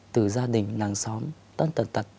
từ gia đình nàng xóm